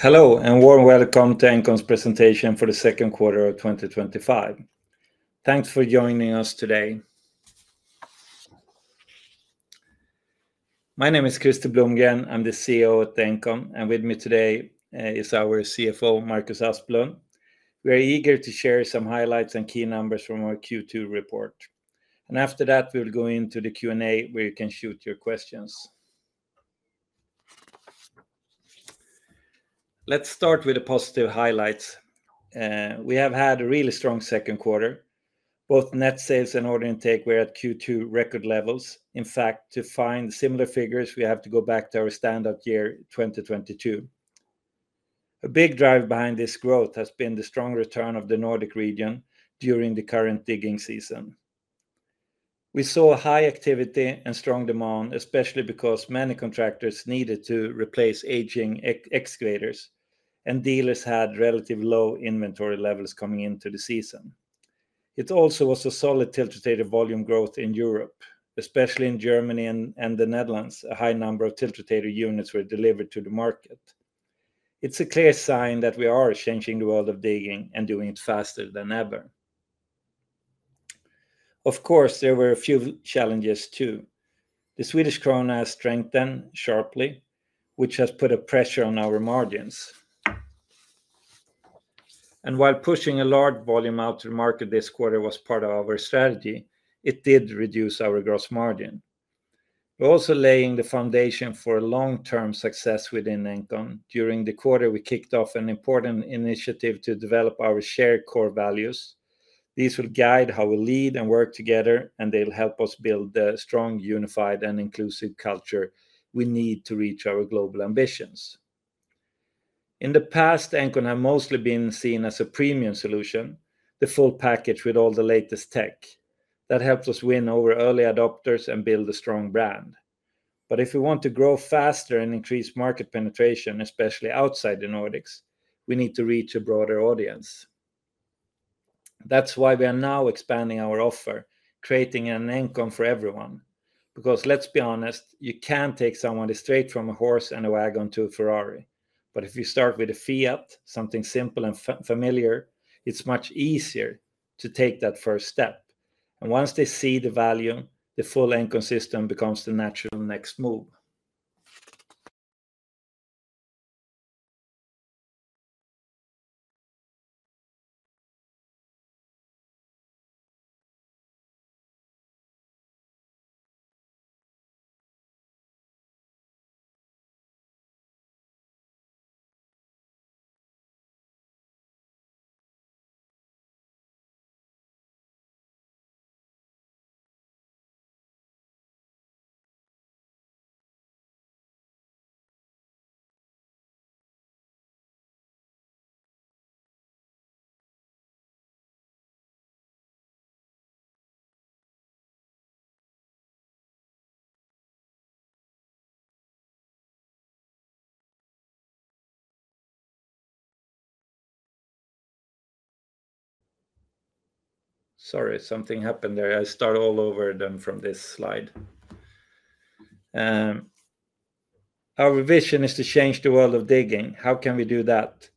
Hello and warm welcome to Engcon AB's presentation for the second quarter of 2025. Thanks for joining us today. My name is Krister Blomgren. I'm the CEO at Engcon AB and with me today is our CFO Marcus Asplund. We are eager to share some highlights and key numbers from our Q2 report. After that we'll go into the Q and A where you can shoot your questions. You. Let's start with the positive highlights. We have had a really strong second quarter. Both net sales and order intake were at Q2 record levels. In fact, to find similar figures we have to go back to our standout year 2022. A big driver behind this growth has been the strong return of the Nordic region. During the current digging season, we saw high activity and strong demand, especially because many contractors needed to replace aging excavators and dealers had relatively low inventory levels coming into the season. It also was a solid tiltrotator volume growth. In Europe, especially in Germany and the Netherlands, a high number of tiltrotator units were delivered to the market. It's a clear sign that we are changing the world of digging and doing it faster than ever. Of course, there were a few challenges too. The Swedish Krona has strengthened sharply, which has put pressure on our margins. While pushing a large volume out to the market this quarter was part of our strategy, it did reduce our gross margin. We're also laying the foundation for long-term success within Engcon. During the quarter, we kicked off an important initiative to develop our shared core values. These will guide how we lead and work together, and they'll help us build the strong, unified, and inclusive culture we need to reach our global ambitions. In the past, Engcon has mostly been seen as a premium solution. The full package with all the latest tech helped us win over early adopters and build a strong brand. If we want to grow faster and increase market penetration, especially outside the Nordics, we need to reach a broader audience. That's why we are now expanding our offer, creating an Engcon for everyone. Because let's be honest, you can take someone straight from a horse and a wagon to a Ferrari, but if you start with a Fiat, something simple and familiar, it's much easier to take that first step. Once they see the value, the full Engcon system becomes the natural next move. Sorry, something happened there. I'll start all over from this slide. Our vision is to change the world of digging. How can we do that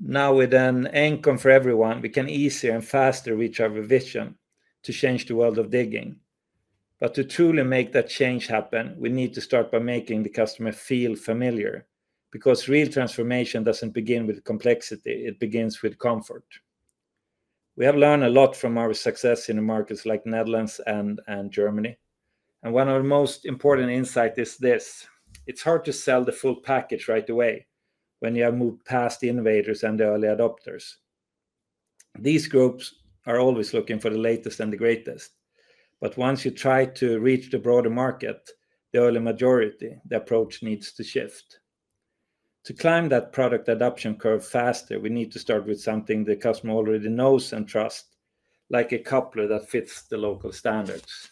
now with an income for everyone? We can easier and faster reach our vision to change the world of digging. To truly make that change happen, we need to start by making the customer feel familiar, because real transformation doesn't begin with complexity, it begins with comfort. We have learned a lot from our success in markets like the Netherlands and Germany, and one of the most important insights is this: it's hard to sell the full package right away when you have moved past the innovators and the early adopters. These groups are always looking for the latest and the greatest. Once you try to reach the broader market, the early majority, the approach needs to shift to climb that product adoption curve faster. We need to start with something the customer already knows and trusts, like a coupler that fits the local standards.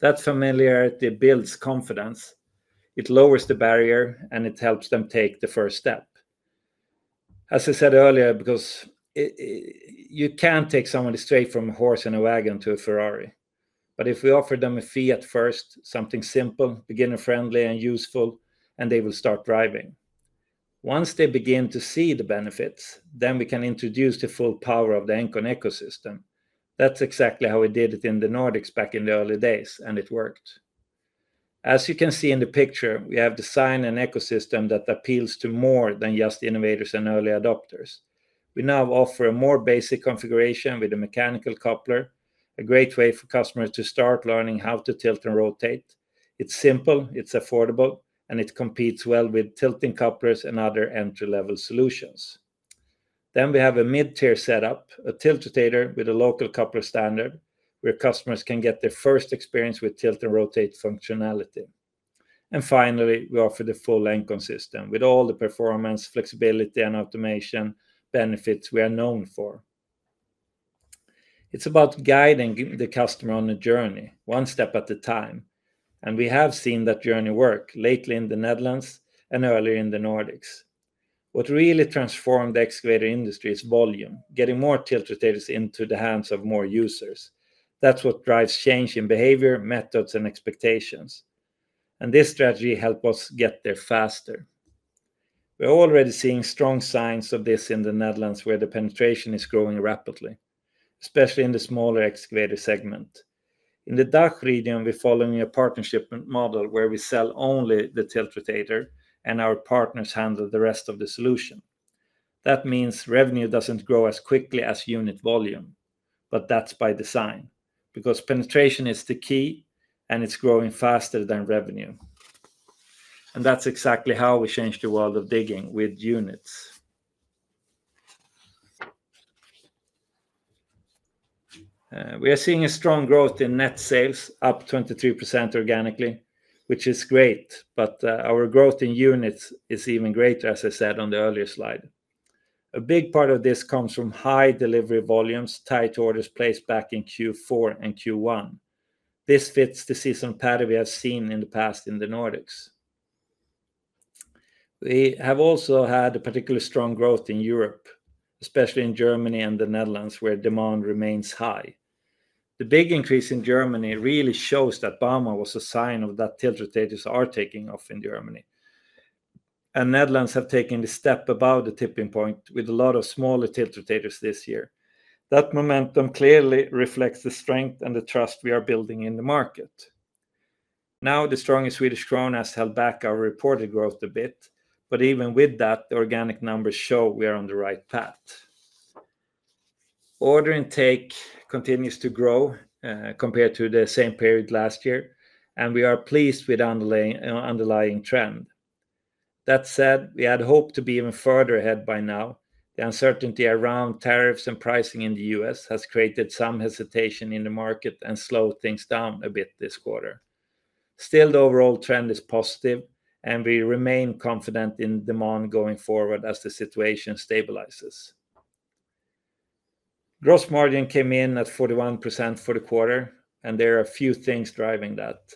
That familiarity builds confidence, it lowers the barrier, and it helps them take the first step. As I said earlier, you can't take somebody straight from a horse and wagon to a Ferrari. If we offer them a fee at first, something simple, beginner friendly, and useful, they will start driving. Once they begin to see the benefits, then we can introduce the full power of the Engcon ecosystem. That's exactly how we did it in the Nordics back in the early days, and it worked. As you can see in the picture, we have designed an ecosystem that appeals to more than just innovators and early adopters. We now offer a more basic configuration with a mechanical coupler, a great way for customers to start learning how to tilt and rotate. It's simple, it's affordable, and it competes well with tilting couplers and other entry-level solutions. We have a mid-tier setup, a tiltrotator with a local coupler standard where customers can get their first experience with tilt and rotate functionality. Finally, we offer the full Engcon system with all the performance, flexibility, and automation benefits we are known for. It's about guiding the customer on a journey one step at a time, and we have seen that journey work lately in the Netherlands and earlier in the Nordics. What really transformed the excavator industry is volume, getting more tiltrotators into the hands of more users. That's what drives change in behavior, methods, and expectations, and this strategy helps us get there faster. We are already seeing strong signs of this in the Netherlands, where the penetration is growing rapidly, especially in the smaller excavator segment. In the DACH region we're following a partnership model where we sell only the tiltrotator and our partners handle the rest of the solution. That means revenue doesn't grow as quickly as unit volume, but that's by design because penetration is the key and it's growing faster than revenue. That's exactly how we changed the world of digging with units. We are seeing strong growth in. Net sales, up 22% organically, which is great, but our growth in units is even greater. As I said on the earlier slide. A big part of this comes from high delivery volumes, tight orders placed back in Q4 and Q1. This fits the seasonal pattern we have seen in the past in the Nordics. We have also had a particularly strong growth in Europe, especially in Germany and the Netherlands where demand remains high. The big increase in Germany really shows that momentum was a sign of that. Tiltrotators are taking off in Germany and the Netherlands have taken a step above the tipping point with a lot of smaller tiltrotators this year. That momentum clearly reflects the strength and the trust we are building in the market now. The strong Swedish Krona has held back our reported growth a bit, but even with that, organic numbers show we are on the right path. Order intake continues to grow compared to the same period last year and we are pleased with the underlying trend. That said, we had hoped to be even further ahead by now. The uncertainty around tariffs and pricing in the U.S. has created some hesitation in the market and slowed things down a bit this quarter. Still, the overall trend is positive and we remain confident in demand going forward as the situation stabilizes. Gross margin came in at 41% for the quarter and there are a few things driving that.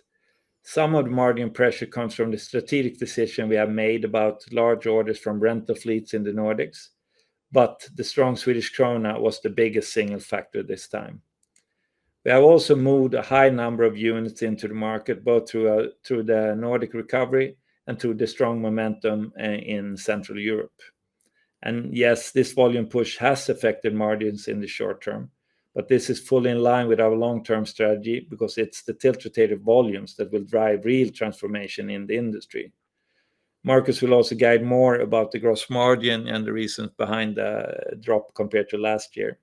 Some of the margin pressure comes from the strategic decision we have made about large orders from rental fleets in the Nordics, but the strong Swedish Krona was the biggest single factor this time. We have also moved a high number of units into the market both through the Nordic recovery and through the strong momentum in Central Europe. This volume push has affected margins in the short term, but this is fully in line with our long-term strategy because it's the tiltrotator volumes that will drive real transformation in the industry. Marcus will also guide more about the. Gross margin and the reasons behind the drop. Compared to last year,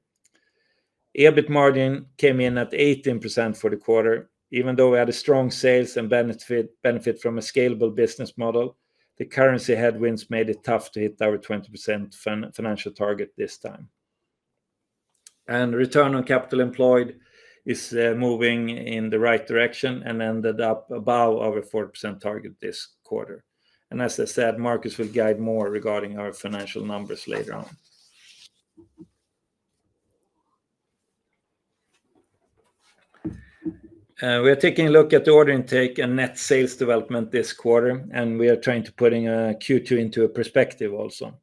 EBIT margin came in at 18% for the quarter, even though we had a strong sales and benefit from a scalable business model. The currency headwinds made it tough to hit our 20% financial target this time, and return on capital employed is moving. In the right direction and ended up. Above our 4% target this quarter, and as I said, Marcus will guide more regarding our financial numbers later on. We are taking a look at the order intake and net sales development. Quarter and we are trying to put Q2 into perspective. Also,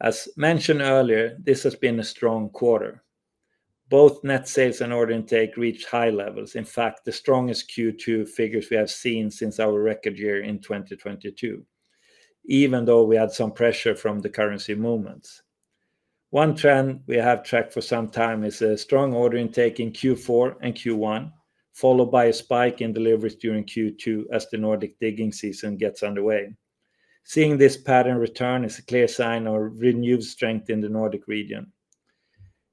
as mentioned earlier, this has been a strong quarter. Both net sales and order intake reached high levels. In fact, the strongest Q2 figures we have seen since our record year in 2022, even though we had some pressure from the currency movements. One trend we have tracked for some time is a strong order intake in Q4 and Q1, followed by a spike in deliveries during Q2 as the Nordic digging season gets underway. Seeing this pattern return is a clear sign of renewed strength in the Nordic region.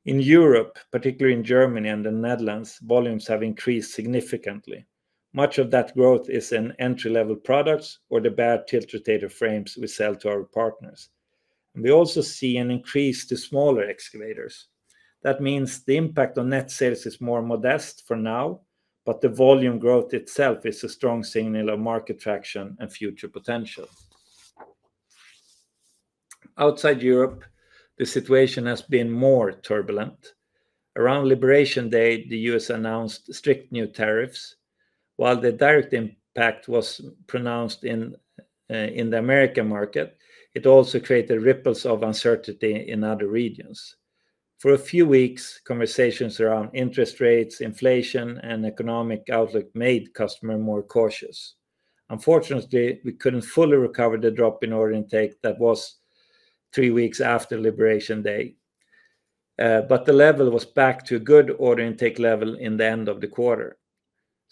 In Europe, particularly in Germany and the Netherlands, volumes have increased significantly. Much of that growth is in entry-level tiltrotators or the mechanical couplers we sell to our partners. We also see an increase to smaller excavators. That means the impact on net sales is more modest for now. The volume growth itself is a strong signal of market traction and future potential. Outside Europe, the situation has been more turbulent. Around Liberation Day, the U.S. announced strict new tariffs. While the direct impact was pronounced in the Americas market. It also created ripples of uncertainty in other regions. For a few weeks, conversations around interest rates, inflation, and economic outlook made customers more cautious. Unfortunately, we couldn't fully recover the drop in order intake that was three weeks after Liberation Day. The level was back to a good order intake level at the end of the quarter.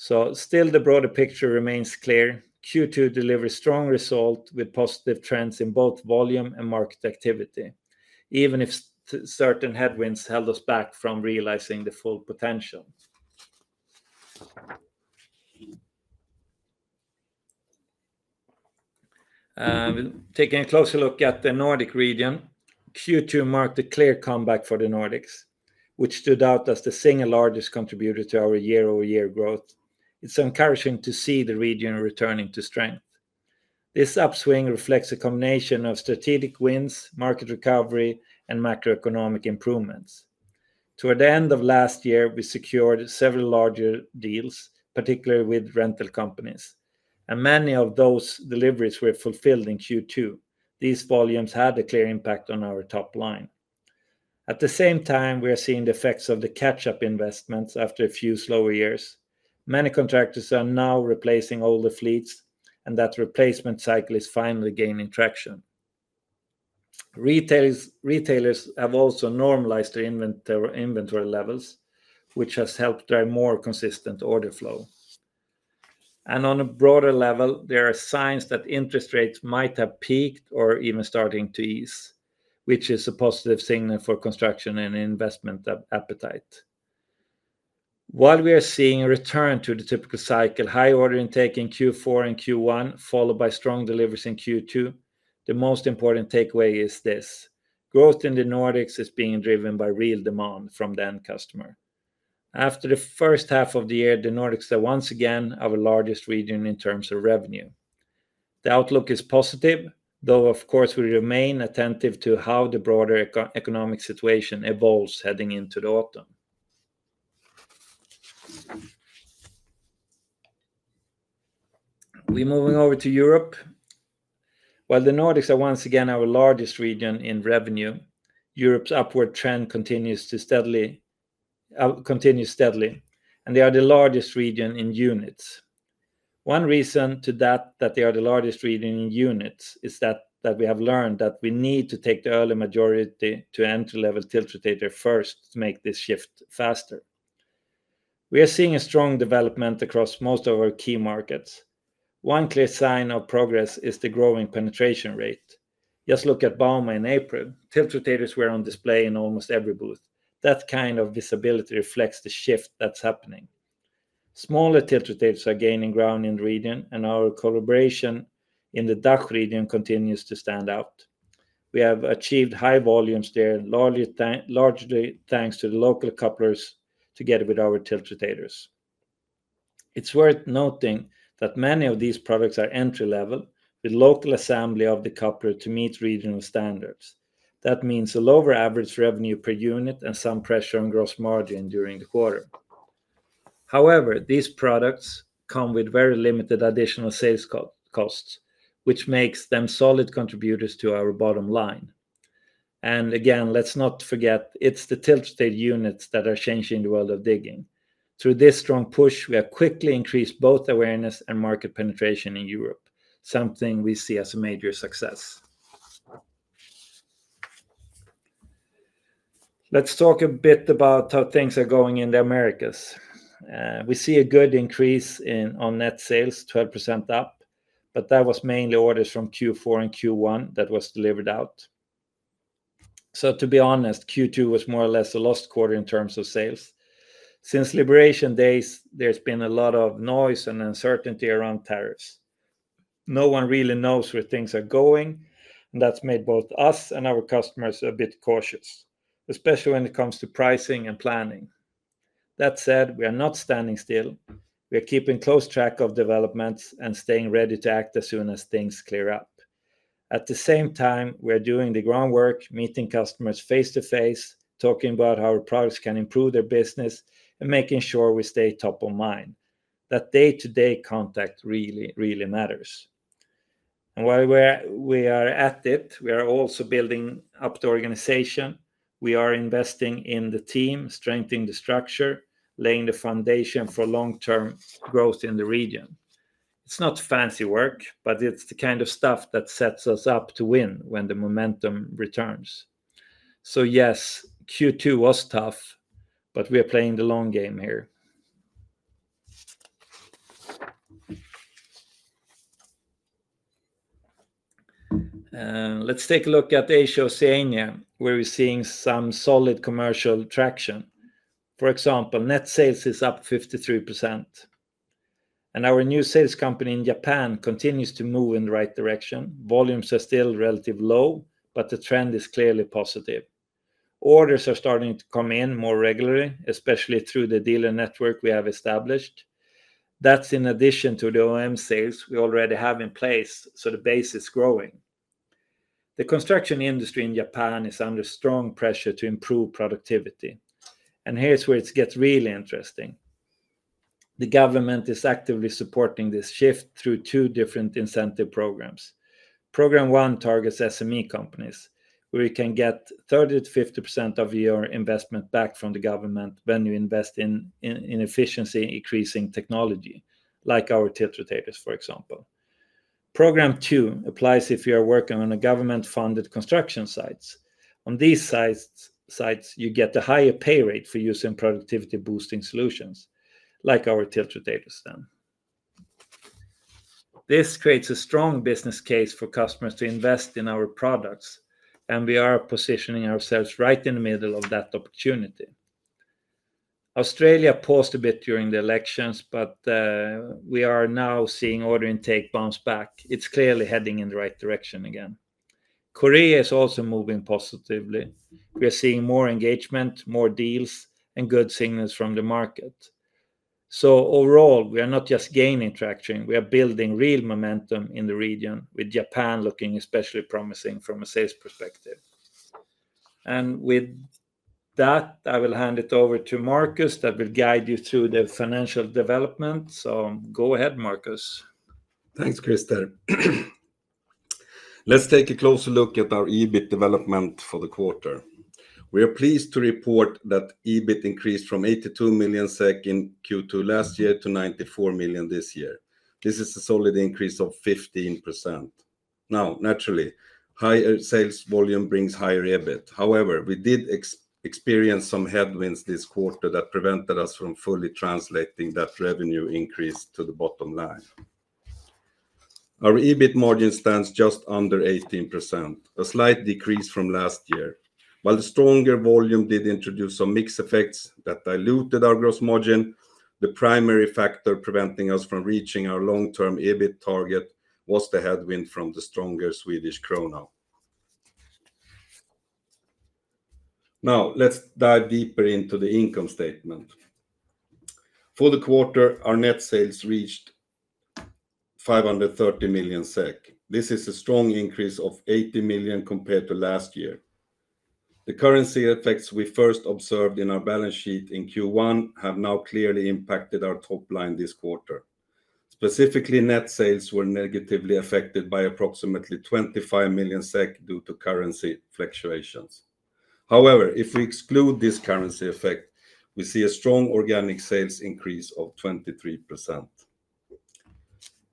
The broader picture remains clear. Q2 delivers strong results with positive trends in both volume and market activity, even if certain headwinds held us back from realizing the full potential. Taking a closer look at the Nordic region, Q2 marked a clear comeback for Engcon AB. The Nordic region, which stood out as the single largest contributor to our year-over-year growth. It's encouraging to see the region returning to strength. This upswing reflects a combination of strategic wins, market recovery, and macroeconomic improvements. Toward the end of last year, we secured several larger deals, particularly with rental companies, and many of those deliveries were fulfilled in Q2. These volumes had a clear impact on our top line. At the same time, we are seeing the effects of the catch-up investments. After a few slower years, many contractors are now replacing older fleets, and that replacement cycle is finally gaining traction. Retailers have also normalized their inventory levels, which has helped drive more consistent order flow. On a broader level, there are signs that interest rates might have peaked or are even starting to ease, which is a positive signal for construction and investment appetite. While we are seeing a return to the typical cycle: high order intake in Q4 and Q1 followed by strong deliveries in Q2, the most important takeaway is this. Growth in the Nordic region is being driven by real demand from the end customer. After the first half of the year, the Nordic region is once again our largest region in terms of revenue. The outlook is positive, though of course we remain attentive to how the broader economic situation evolves. Heading into the autumn, we're moving over to Europe. While the Nordic region is once again our largest region in revenue, Europe's upward trend continues steadily, and they are the largest region in units. One reason to doubt that they are the largest region in units is that we have learned that we need to take the early majority to entry-level tiltrotator first to make this shift faster. We are seeing a strong development across most of our key markets. One clear sign of progress is the growing penetration rate. Just look at Bauma. In April, tiltrotators were on display in almost every booth. That kind of visibility reflects the shift that's happening. Smaller tiltrotators are gaining ground in the region, and our collaboration in the DACH region continues to stand out. We have achieved high volumes there, largely thanks to local couplers together with our tiltrotators. It's worth noting that many of these products are entry-level, with local assembly of the coupler to meet regional standards. That means a lower average revenue per unit and some pressure on gross margin during the quarter. However, these products come with very limited. Additional sales costs, which makes them solid contributors to our bottom line. Let's not forget it's the tilt state units that are changing the world. Of digging through this strong push, we have quickly increased both awareness and market penetration in Europe, something we see as a major success. Let's talk a bit about how things are going in the Americas. We see a good increase on net sales, 12% up, but that was mainly orders from Q4 and Q1 that was delivered out. To be honest, Q2 was more or less a lost quarter in terms of sales. Since Liberation days there's been a lot of noise and uncertainty around tariffs. No one really knows where things are going. That's made both us and our customers a bit cautious, especially when it comes to pricing and planning. That said, we are not standing still. We are keeping close track of developments and staying ready to act as soon as things clear up. At the same time, we are doing the groundwork, meeting customers face to face, talking about how our products can improve their business, and making sure we stay top of mind. That day to day contact really, really matters. While we are at it, we are also building up the organization. We are investing in the team, strengthening the structure, laying the foundation for long term growth in the region. It's not fancy work, but it's the kind of stuff that sets us up to win when the momentum returns. Q2 was tough, but we are playing the long game here. Let's take a look at Asia Oceania. Where we're seeing some solid commercial traction. For example, net sales is up 53%. Our new sales company in Japan continues to move in the right direction, but volumes are still relatively low. The trend is clearly positive. Orders are starting to come in more regularly, especially through the dealer network we have established. That's in addition to the OEM sales we already have in place. The base is growing. The construction industry in Japan is under strong pressure to improve productivity. Here's where it gets really interesting. The government is actively supporting this shift through two different incentive programs. Program one targets SME companies where you can get 30% to 50% of your investment back from the government when you invest in efficiency-increasing technology like our tiltrotators, for example. Program two applies if you are working on a government-funded construction site. On these sites, you get a higher pay rate for using productivity-boosting solutions like our Tiltra data standard. This creates a strong business case for customers to invest in our products. We are positioning ourselves right in the middle of that opportunity. Australia paused a bit during the elections, but we are now seeing order intake bounce back. It's clearly heading in the right direction again. Korea is also moving positively. We are seeing more engagement, more deals, and good signals from the market. Overall, we are not just gaining traction. We are building real momentum in the region, with Japan looking especially promising from a sales perspective. With that, I will hand it. Over to Marcus that will guide you through the financial development. Go ahead, Marcus. Thanks, Krister. Let's take a closer look at our EBIT development for the quarter. We are pleased to report that EBIT increased from 82 million SEK in Q2 last year to 94 million this year. This is a solid increase of 15%. Naturally, higher sales volume brings higher EBIT. However, we did experience some headwinds this quarter that prevented us from fully translating that revenue increase to the bottom line. Our EBIT margin stands just under 18%, a slight decrease from last year. While the stronger volume did introduce some mix effects that diluted our gross margin, the primary factor preventing us from reaching our long-term EBIT target was the headwind from the stronger Swedish krona. Now let's dive deeper into the income statement. For the quarter, our net sales reached 530 million SEK. This is a strong increase of 80 million compared to last year. The currency effects we first observed in our balance sheet in Q1 have now clearly impacted our top line this quarter. Specifically, net sales were negatively affected by approximately 25 million SEK due to currency fluctuations. However, if we exclude this currency effect, we see a strong organic sales increase of 23%.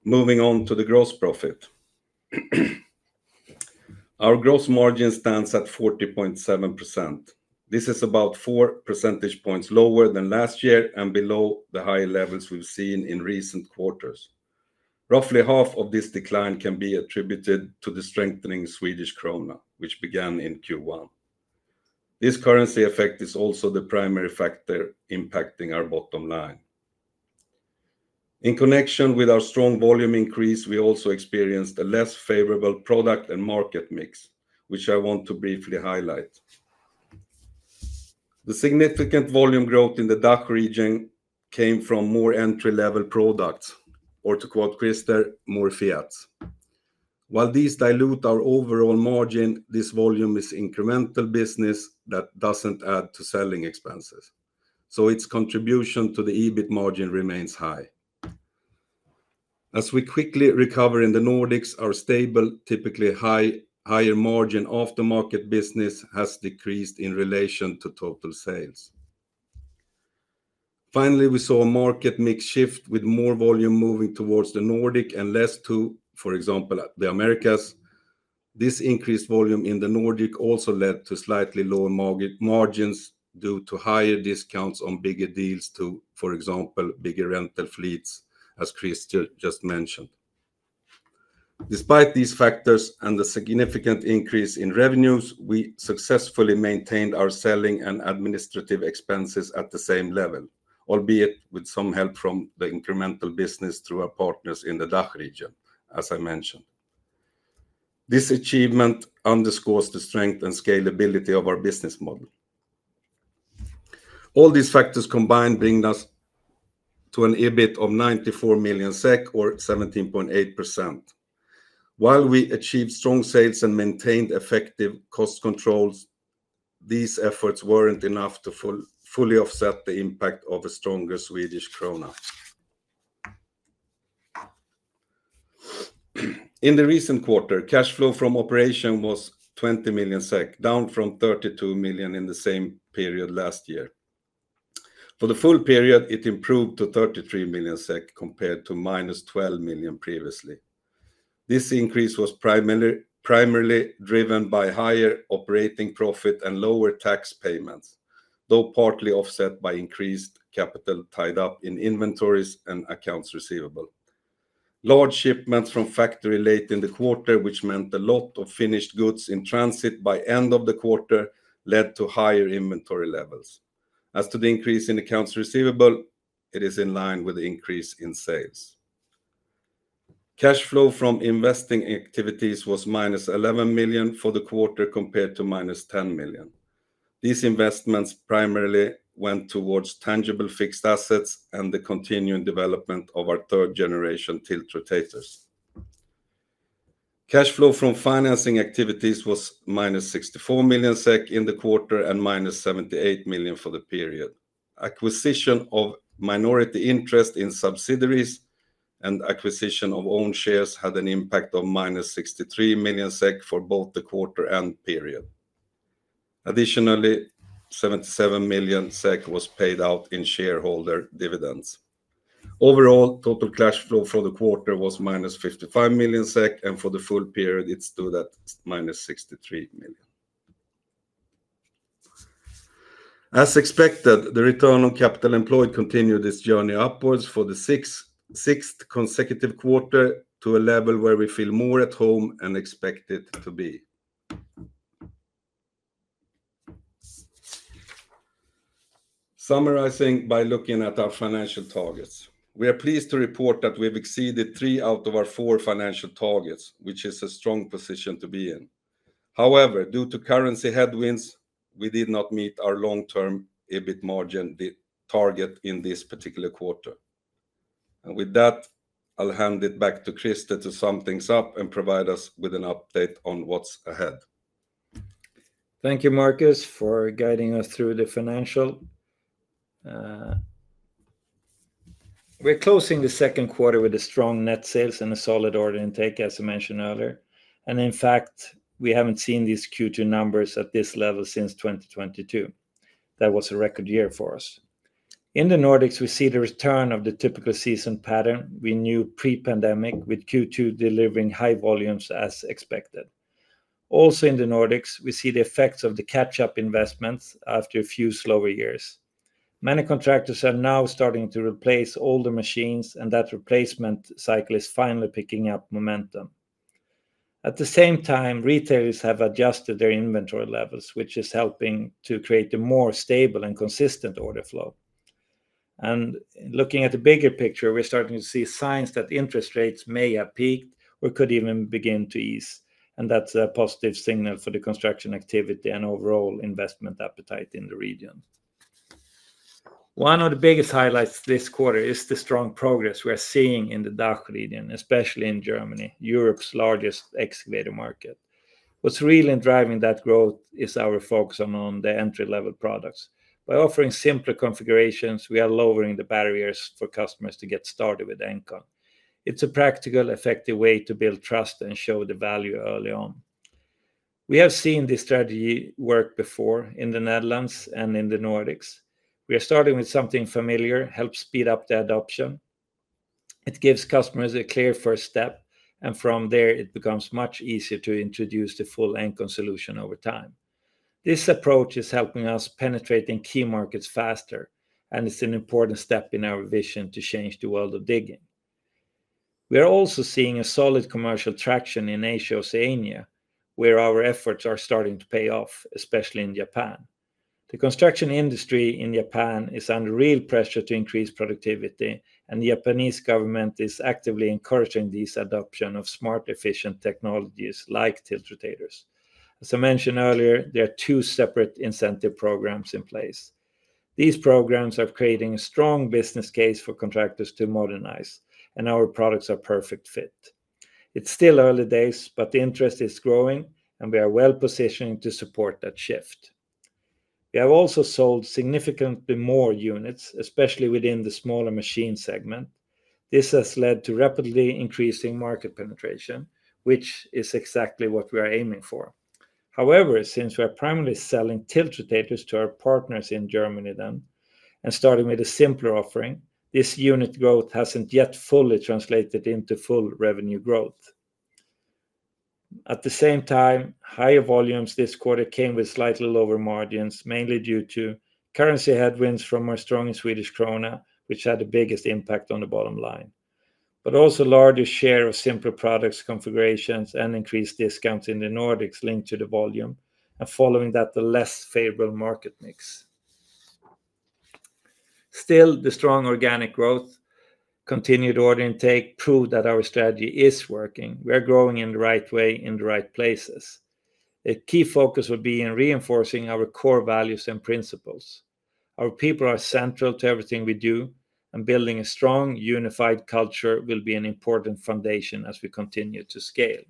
Moving on to the gross profit, our gross margin stands at 40.7%. This is about 4 percentage points lower than last year and below the high levels we've seen in recent quarters. Roughly half of this decline can be attributed to the strengthening Swedish krona which began in Q1. This currency effect is also the primary factor impacting our bottom line. In connection with our strong volume increase, we also experienced a less favorable product and market mix which I want to briefly highlight. The significant volume growth in the DACH region came from more entry-level products or to quote Krister, more Fiats. While these dilute our overall margin, this volume is incremental business that doesn't add to selling expenses, so its contribution to the EBIT margin remains high. As we quickly recover in the Nordics, our stable, typically higher margin aftermarket business has decreased in relation to total sales. Finally, we saw a market mix shift with more volume moving towards the Nordic and less to, for example, the Americas. This increased volume in the Nordic also led to slightly lower margins due to higher discounts on bigger deals to, for example, bigger rental fleets. As Krister just mentioned, despite these factors and the significant increase in revenues, we successfully maintained our selling and administrative expenses at the same level, albeit with some help from the incremental business through our partners in the DACH region. As I mentioned, this achievement underscores the strength and scalability of our business model. All these factors combined bring us to an EBIT of 94 million SEK or 17.8%. While we achieved strong sales and maintained effective cost controls, these efforts weren't enough to fully offset the impact of a stronger Swedish Krona in the recent quarter. Cash flow from operations was 20 million SEK, down from 32 million in the same period last year. For the full period it improved to 33 million SEK compared to minus 12 million previously. This increase was primarily driven by higher operating profit and lower tax payments, though partly offset by increased capital tied up in inventories and accounts receivable. Large shipments from factory late in the quarter, which meant a lot of finished goods in transit by end of the quarter, led to higher inventory levels. As to the increase in accounts receivable, it is in line with the increase in sales. Cash flow from investing activities was -11 million for the quarter compared to -10 million. These investments primarily went towards tangible assets and the continuing development of our third-generation tiltrotators. Cash flow from financing activities was -64 million SEK in the quarter and -78 million for the period. Acquisition of minority interest in subsidiaries and acquisition of own shares had an impact of -63 million SEK for both the quarter and period. Additionally, 77 million SEK was paid out in shareholder dividends. Overall, total cash flow for the quarter was -55 million SEK and for the full period it stood at -63 million. As expected, the return on capital employed continued this journey upwards for the sixth consecutive quarter to a level where we feel more at home and expect to be. Summarizing by looking at our financial targets, we are pleased to report that we've exceeded three out of our four financial targets, which is a strong position to be in. However, due to currency headwinds we did not meet our long-term EBIT margin target in this particular quarter and with that I'll hand it back to Krister to sum things up and provide us with an update on what's ahead. Thank you, Marcus, for guiding us through the financials. We're closing the second quarter with strong net sales and a solid order intake, as I mentioned earlier. In fact, we haven't seen these Q2 numbers at this level since 2022. That was a record year for us. In the Nordics, we see the return of the typical seasonal pattern we knew pre-pandemic, with Q2 delivering high volumes as expected. Also in the Nordics, we see the effects of the catch-up investments after a few slower years. Many contractors are now starting to replace older machines, and that replacement cycle is finally picking up momentum. At the same time, retailers have adjusted their inventory levels, which is helping to create a more stable and consistent order flow. Looking at the bigger picture, we're starting to see signs that interest rates may have peaked or could even begin to ease, and that's a positive signal for the construction activity and overall investment. Appetite in the region is one of the biggest highlights this quarter. is the strong progress we are seeing in the DACH region, especially in Germany, Europe's largest excavator market. What's really driving that growth is our focus on the entry-level products. By offering simpler configurations, we are lowering the barriers for customers to get started with Engcon. It's a practical, effective way to build trust and show the value early on. We have seen this strategy work before in the Netherlands and in the Nordic region. Starting with something familiar helps speed up the adoption. It gives customers a clear first step, and from there, it becomes much easier to introduce the full Engcon solution over time. This approach is helping us penetrate key markets faster, and it's an important step in our vision to change the world of digging. We are also seeing solid commercial traction in Asia Oceania, where our efforts are starting to pay off, especially in Japan. The construction industry in Japan is under real pressure to increase productivity, and the Japanese government is actively encouraging this adoption of smart, efficient technologies like tiltrotators. As I mentioned earlier, there are two separate incentive programs in place. These programs are creating a strong business case for contractors to modernize, and our products are a perfect fit. It's still early days, but the interest is growing, and we are well positioned to support that shift. We have also sold significantly more units, especially within the smaller machine segment. This has led to rapidly increasing market penetration, which is exactly what we are aiming for. However, since we are primarily selling tiltrotators to our partners in Germany and starting with a simpler offering, this unit growth hasn't yet fully translated into full revenue growth. At the same time, higher volumes this quarter came with slightly lower margins, mainly due to currency headwinds from a stronger Swedish Krona, which had the biggest impact on the bottom line. There was also a larger share of simpler product configurations and increased discounts in the Nordic region linked to the volume and, following that, the less favorable market mix. Still, the strong organic growth continued order intake. Intake proved that our strategy is working. We are growing in the right way, in the right places. A key focus would be in reinforcing our core values and principles. Our people are central to everything we do, and building a strong, unified culture will be an important foundation as we continue to scale.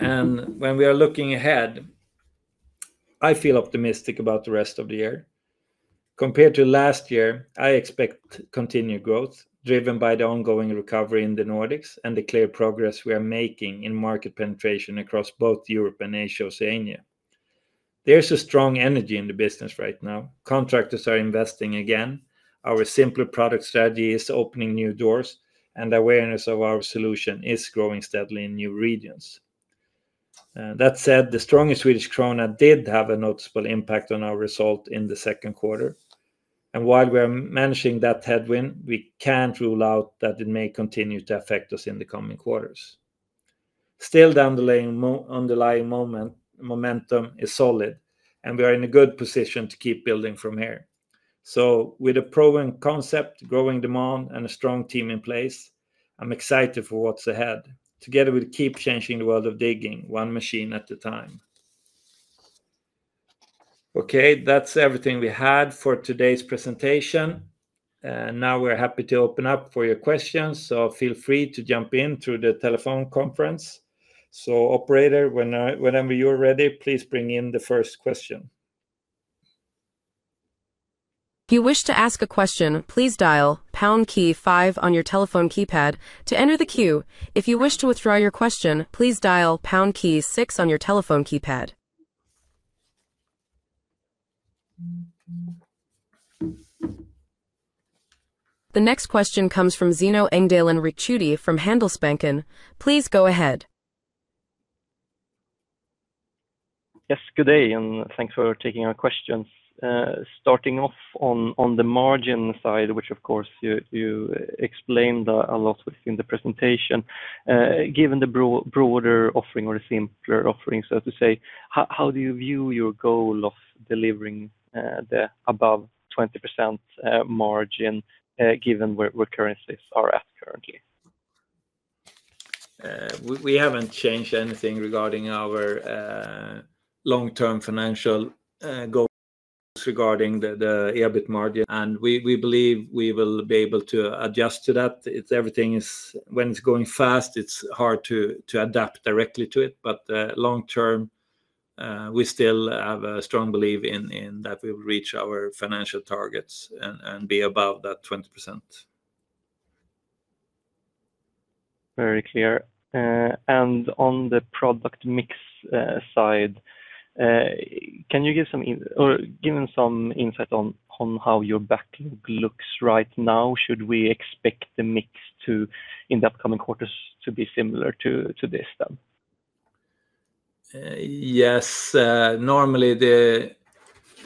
When we are looking ahead, I feel optimistic about the rest of the year. Compared to last year, I expect continued growth driven by the ongoing recovery in the Nordics and the clear progress we are making in market penetration across both Europe and Asia Oceania. There's a strong energy in the business right now. Contractors are investing again. Our simpler product strategy is opening new doors, and awareness of our solution is growing steadily in new regions. That said, the stronger Swedish Krona did have a noticeable impact on our result in the second quarter. While we are managing that headwind, we can't rule out that it may continue to affect us in the coming quarters. Still, the underlying momentum is solid and we are in a good position to keep building from here. With a proven concept, growing demand, and a strong team in place, I'm excited for what's ahead. Together we'll keep changing the world of digging, one machine at a time. Okay, that's everything we had for today. Presentation, and now we're happy to open. Up for your questions, so feel free to jump in through the telephone conference. Operator, whenever you're ready, please bring in the first question. If you wish to ask a question, please dial on your telephone keypad to enter the queue. If you wish to withdraw your question, please dial key 6 on your telephone keypad. The next question comes from Zino Engdalen Ricciuti from Handelsbanken. Please go ahead. Yes, good day and thanks for taking our questions. Starting off on the margin side, which of course you explained a lot within the presentation, given the broader offering or a simpler offering, so to say, how do you view your goal of delivering the above 20% margin given where currencies are at currently? We haven't changed anything regarding our long-term financial targets regarding the EBIT margin, and we believe we will be able to adjust to that. Everything is when it's going fast. Hard to adapt directly to it. Long term we still have a strong belief in that we will reach our financial targets and be above that 20%. Very clear. On the product mix side, can you give some insight on how your backlog looks right now? Should we expect the mix in the upcoming quarters to be similar to this then? Yes, normally the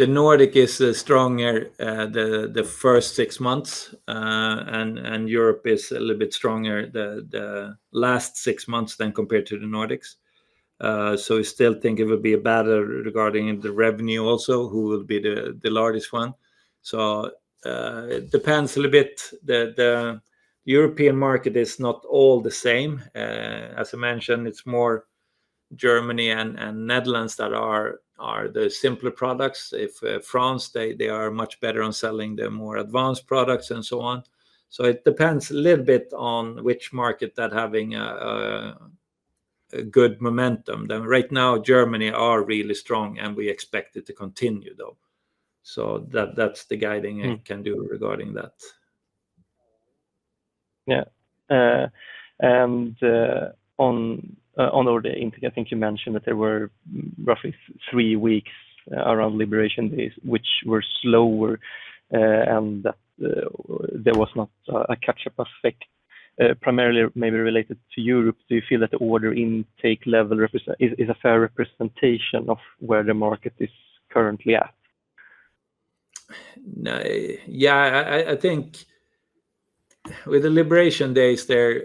Nordic region is stronger the first six months, and Europe is a little bit stronger the last six. Months than compared to the Nordic region. We still think it would be. A battle regarding the revenue also, who. will be the largest one. It depends a little bit. The European market is not all the. Same as I mentioned, it's more Germany and Netherlands that are the simpler products. In France they are much better on selling the more advanced products and so on. It depends a little bit on which market that having a good momentum. Right now Germany are really strong. We expect it to continue though. That's the guiding I can do regarding that. Yeah, on order I think you mentioned that there were roughly three weeks around Liberation Days which were slower, and there was not a catch-up effect, primarily maybe related to Europe. Do you feel that the order intake level is a fair representation of where the market is currently at? Yeah, I think with the liberation days there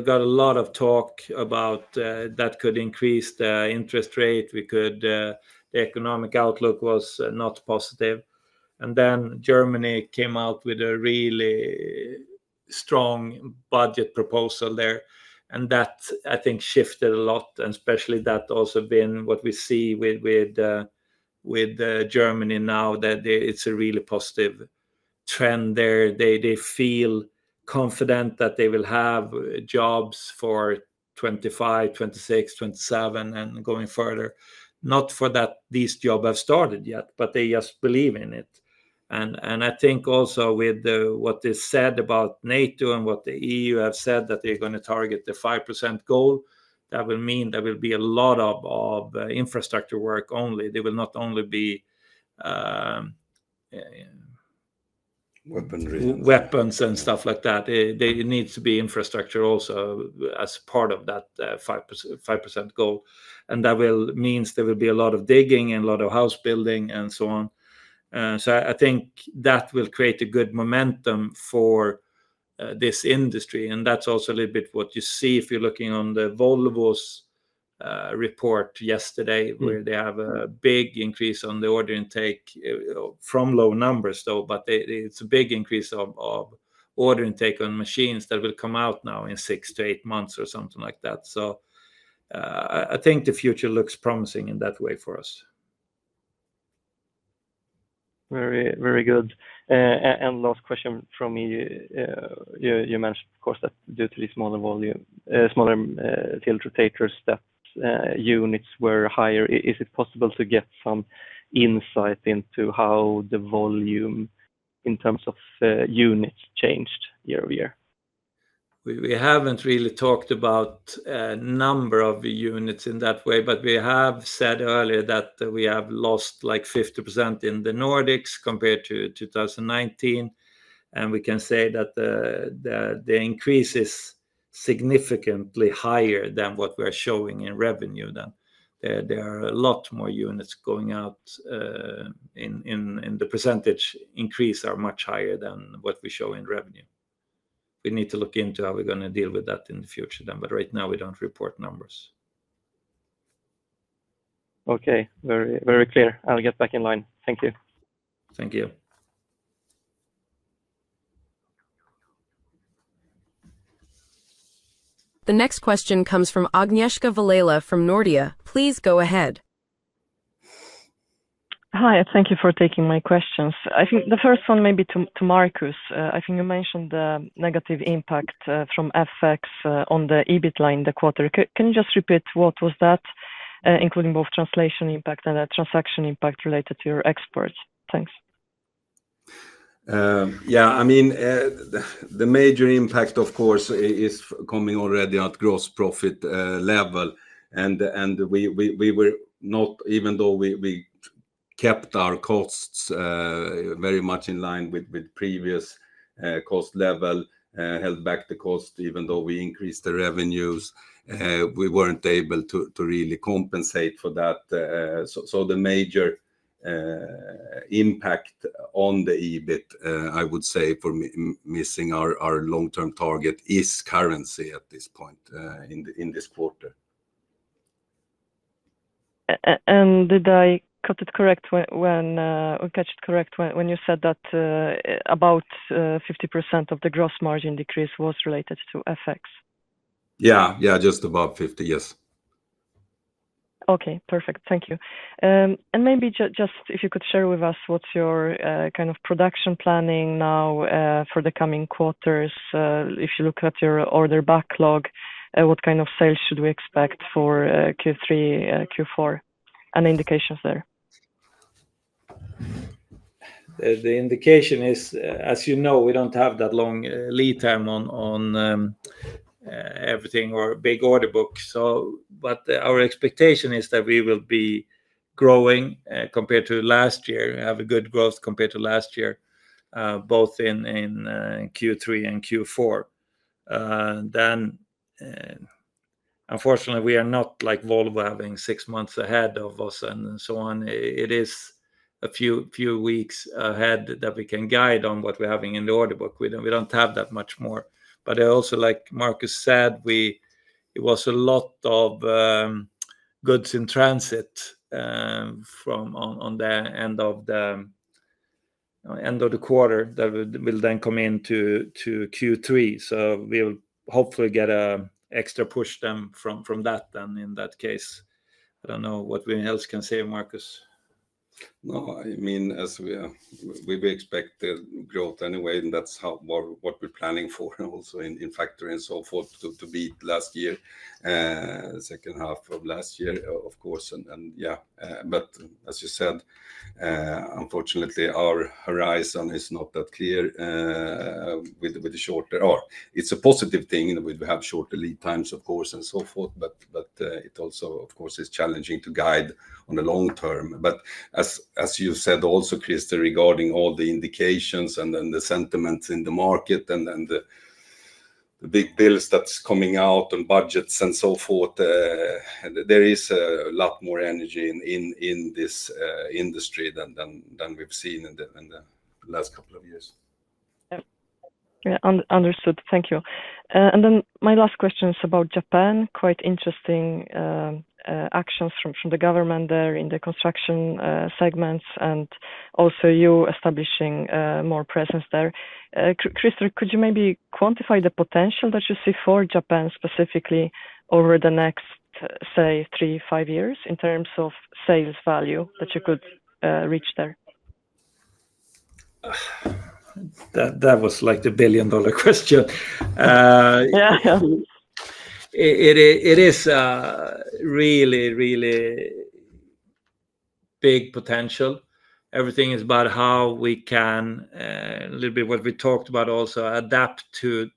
got a lot of talk about that could increase the interest rate. The economic outlook was not positive, and then Germany came out with a really strong budget proposal there, and that, I think, shifted a lot. Especially that also been what we see with Germany now, that it's a really positive trend there. They feel confident that they will have jobs for 2025, 2026, 2027, and going further. Not that these jobs have started yet, but they just believe in it. I think also with what is said about NATO and what the EU. Have said that they're going to target the 5% goal. That will mean there will be a lot of infrastructure work. There will not only be. Weapons and. Stuff like that, it needs to be infrastructure also as part of that 5%. That means there will be a lot of digging and a lot of house building and so on. I think that will create a good momentum for this industry. That's also a little bit what you see if you're looking on the Volvos report yesterday where they have a big increase on the order intake from low numbers, though. It's a big increase of order intake on machines that will come out now in six to eight months or something like that. I think the future looks promising. In that way for us. Very, very good. Last question from me. You mentioned, of course, that due to the smaller volume, smaller tiltrotators, that units were higher. Is it possible to get some insight into how the volume in terms of units changed year over year? We haven't really talked about number of units in that way, but we have said earlier that we have lost like 50% in the Nordics compared to 2019, and we can say that the increase. Is significantly higher than what we are. Showing in revenue, there are a lot more units going out. The percentage increase is much higher. Than what we show in revenue. We need to look into how we're going to deal with that in the future. Right now we don't report numbers. Okay, very, very clear. I'll get back in line. Thank you. Thank you. The next question comes from Agnieszka Valela from Nordea. Please go ahead. Hi, thank you for taking my questions. I think the first one may be to Marcus. I think you mentioned the negative impact from FX on the EBIT line, the quarter. Can you just repeat what was that including both translation impact and a transaction impact related to your exports? Thanks. I mean the major impact of course is coming already at gross profit level, and we were not, even though we kept our costs very much in line with previous cost level, held back the cost, even though we increased the revenues, we weren't able to really compensate for that. The major impact on the EBIT, I would say for missing our long term target, is currency at this point in this quarter. Did I catch it correct when you said that about 50% of the gross margin decrease was related to FX? Yeah, just above 50. Yes. Okay, perfect. Thank you. Maybe just if you could share with us what's your kind of production planning now for the coming quarters. If you look at your order backlog, what kind of sales should we expect for Q3, Q4 for any indications there? The indication is, as you know, we don't have that long lead time on everything or big order book. Our expectation is that we will be growing compared to last year, have a good growth compared to last year both in Q3 and Q4. Unfortunately, we. Are not like Volvo having six months. Ahead of us and so on. It is a few weeks ahead that we can guide on what we're having in the order book. We don't have that much more. Also, like Marcus said, it was a lot of goods in transit on. The. End of the quarter, that will. We come into Q3. We'll hopefully get an extra push. In that case, I don't know what Wynne else can say. Marcus. No, I mean as we expect growth anyway and that's what we're planning for also in factories and so forth to beat last year, second half of last year of course, and yeah, as you said, unfortunately our horizon is not that clear with the shorter or it's a positive thing. We have shorter lead times of course and so forth. It also of course is challenging to guide on the long term. As you said also, Krister, regarding all the indications and the sentiments in the market and the big deals that are coming out on budgets and so forth, there is a lot more energy in this industry than we've seen in the last couple of years. Understood, thank you. My last question is about Japan. Quite interesting actions from the government there in the construction segments and also you establishing more presence there. Krister, could you maybe quantify the potential that you see for Japan specifically over the next, say, three to five years in terms of sales value that you could reach there? That was like the billion dollar question. It is really, really. Big potential. Everything is about how we can, a little bit what we talked about, also adapt to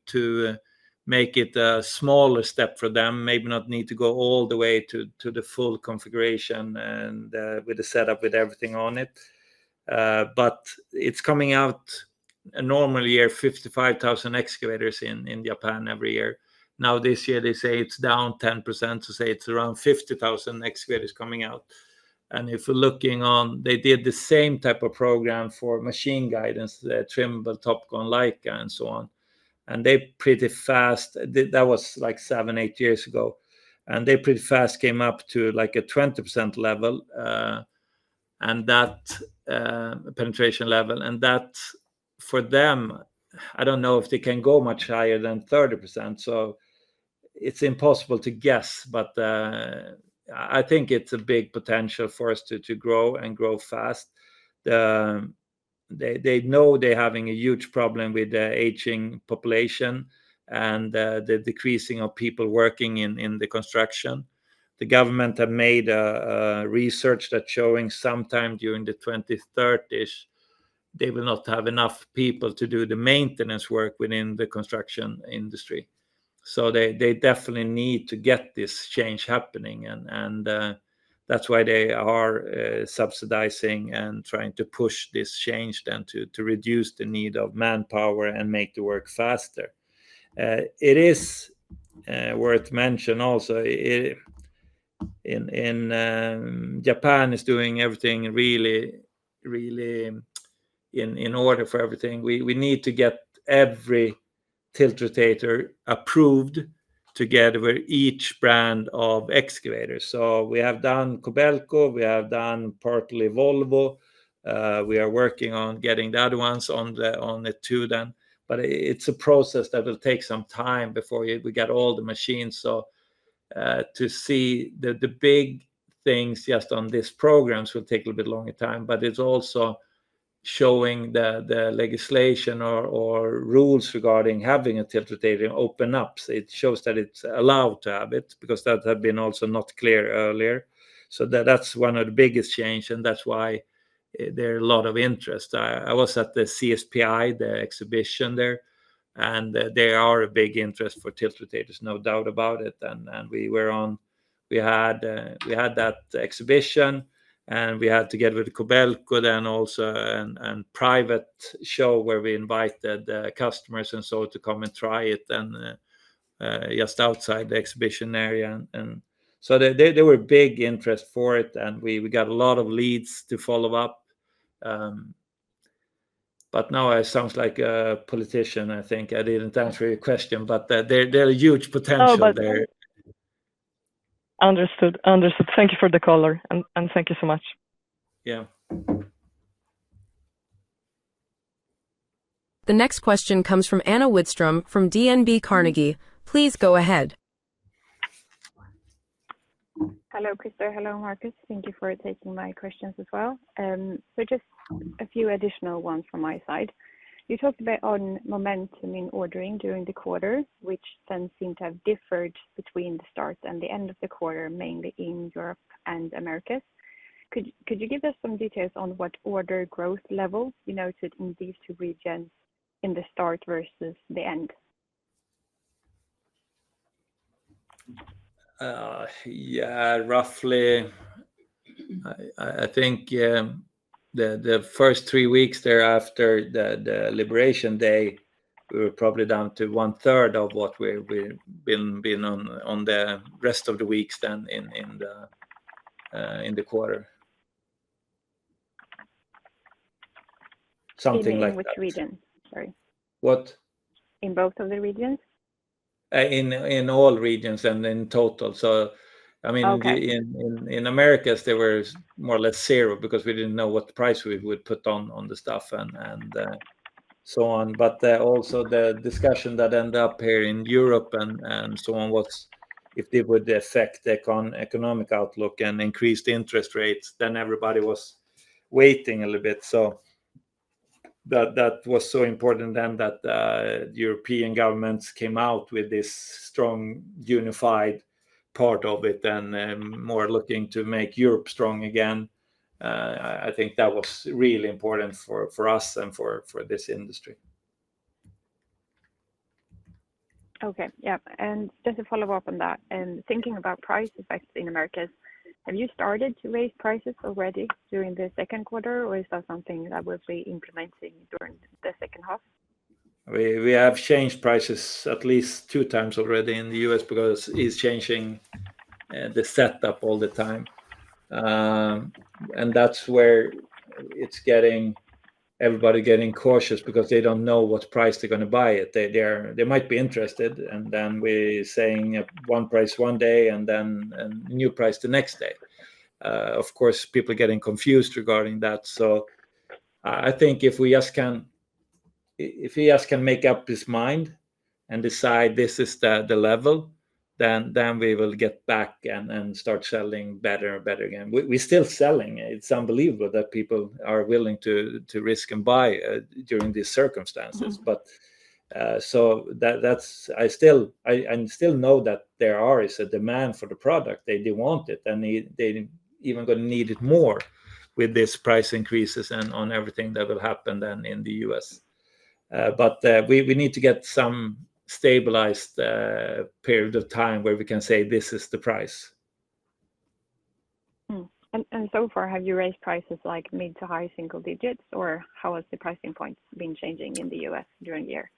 make it a smaller step for them. Maybe not need to go all the way to the full configuration and with. The setup with everything on it. It's coming out a normal year. 55,000 excavators in Japan every year. This year they say it's down 10% to say it's around 50,000 excavators coming out. If you're looking on, they did the same type of program for machine guidance, Trimble, Topcon, Leica and so on. They pretty fast. That was like seven, eight years ago. They pretty fast came up to. Like a 20% level, and that penetration level, and that for them, I don't know if they can go much higher than 30%. It's impossible to guess. I think it's a big potential for us to grow and grow fast. They know they're having a huge problem. With the aging population and the decreasing of people working in construction. The government have made research that is showing. Sometime during the 2030s, they will not have enough people to do the maintenance work within the construction industry. They definitely need to get this change happening. That is why they are subsidizing and trying to push this change then too. Reduce the need of manpower and make the work faster. It is worth mention also Japan is doing everything, really, really in order for everything we need to get every tiltrotator approved together with each brand of excavators. We have done Kobelco, we have done partly Volvo. We are working on getting the other ones on the two then. It is a process that will take some time before we get all the machines. To see the big things just on this program will take a little bit longer time. It is also showing the legislation or rules regarding having a tilt of tail open up. It shows that it's allowed to have it because that had been also not clear earlier. That's one of the biggest changes. That is why there is a lot of interest. I was at the CSPI, the exhibition there, and there is a big interest. For tiltrotators, no doubt about it. We were on, we had that exhibition and we had together with Kobelco then also a private show where we invited customers to come and try it just outside the exhibition area. There was big interest for it and we got a lot of leads to follow up. I think I didn't answer your question, but there. are huge potential there. Understood. Thank you for the color and thank you so much. Yeah. The next question comes from Anne Vågström from DNB Carnegie. Please go ahead. Hello Krister. Hello, Marcus. Thank you for taking my questions as well. Just a few additional ones from my side. You talked about momentum in ordering during the quarter, which then seemed to have differed between the start and the end of the quarter, mainly in Europe and the Americas. Could you give us some details on what order growth level you noted in these two regions in the start versus the end? Yeah, roughly. I think the first three weeks thereafter, the Liberation Day, we were probably down to one third of what we been on the rest of the weeks then in the quarter. Which region? Sorry, what in both of the regions. In all regions and in total. I mean in the Americas there were more or less zero because we didn't know what price we would put on the stuff and so on. Also, the discussion that ended up here in Europe and so on was. If they would affect economic outlook. Increase the interest rates. Everybody was waiting a little bit. That was so important then. That European governments came out with this strong unified part of it and more. Looking to make Europe strong again. I think that was really important. For us and for this industry. Okay, yeah. Just to follow up on that and thinking about prices in the Americas, have you started to raise prices already during the second quarter, or is that something that will be implementing during the second half? We have changed prices at least two. Times already in the U.S. because it's changing the setup all the time. That's where it's getting. Everybody getting cautious because they don't know what price they're going to buy it. They might be interested, then we saying one price, one. Day and then new price the next day. Of course, people getting confused regarding that. I think if he just can make up his. Mind and decide this is the level, then we will get back and start selling better and better again. We're still selling. It's unbelievable that people are willing to. Risk and buy during these circumstances. I still know that there is a demand for the product. Want it and they even going to. Need it more with these price increases. On everything that will happen in the U.S., we need to get some stabilized period of time where. We can say this is the price. Have you raised prices like mid to high single digits, or how has the pricing point been changing in the U.S. during the year?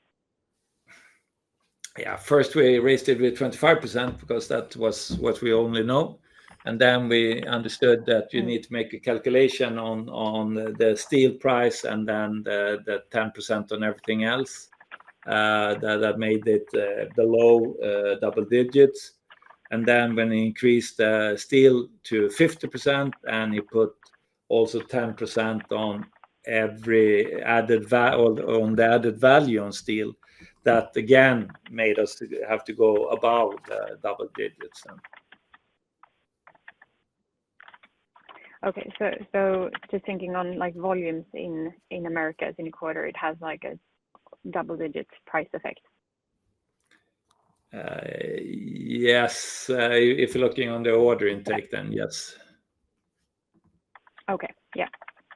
Yeah, first we raised it with 25% because that was what we only know. Then we understood that you need to make a calculation on the steel price, and then the 10% on everything else that made it below double digits. When he increased steel to 50% and he put also 10% on every added value on the added value on steel, that again made us to have to go about double digits. Okay, just thinking on like volumes in the Americas in a quarter, it has like a double-digit price effect. Yes, if you're looking on the order intake, then yes. Okay, yeah,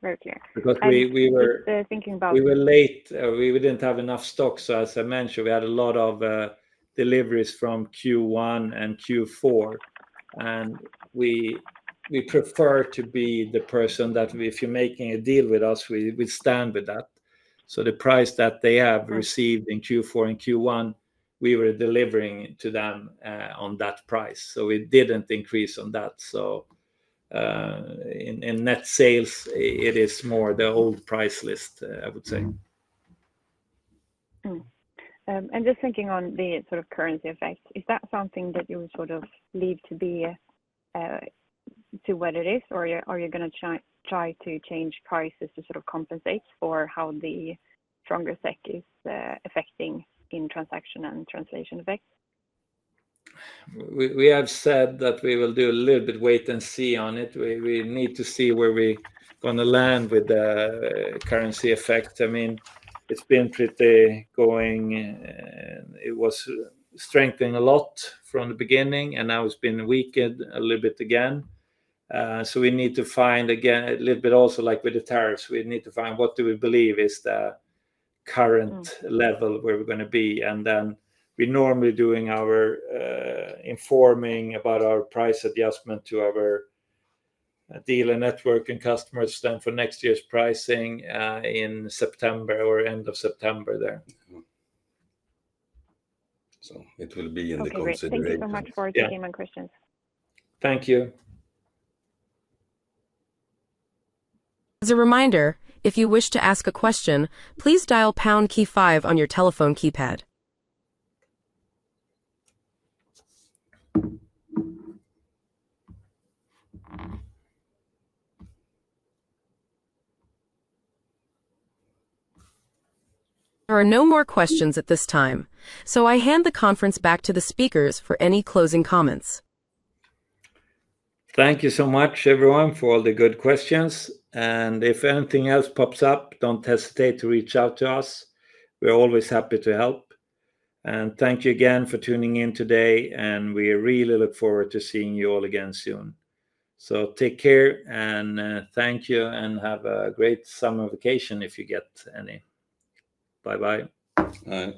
very clear. Because we were thinking about it. Late, we didn't have enough stocks. As I mentioned, we had a lot of deliveries from Q1 and Q4, and we prefer to be the person that. If you're making a deal with us. We stand with that. The price that they have received in Q4 and Q1, we were delivering to them on that price. It didn't increase on that. In net sales, it is more the old price list, I would say. Thinking on the sort of currency effect, is that something that you sort of leave to be to what it is, or are you going to try to change prices to compensate for how the stronger SEK is affecting in transaction and translation effects? We have said that we will do a little bit wait and see on it. We need to see where we are going to land with the currency effects. I mean it's been pretty going. It was strengthened a lot from the. Beginning and now it's been weakened a little bit again. We need to find again a little bit also like with the tariffs, we need to find what do we believe is the current level where we're going to be and then we normally. Doing our informing about our price adjustment to our dealer network and customers. For next year's pricing in September or. End of September there. It will be in the consideration. Thank you for taking my questions. Thank you. As a reminder, if you wish to ask a question, please dial Key 5 on your telephone keypad. There are no more questions at this time, so I hand the conference back to the speakers for any closing comments. Thank you so much everyone for all. The good questions, and if anything else. pops up, don't hesitate to reach out to us. We're always happy to help. Thank you again for tuning in today. We really look forward to seeing you all again soon. Take care and thank you, and have a great summer vacation if you get any. Bye bye.